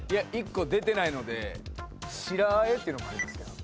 １個出てないので白和えっていうの食いますけど。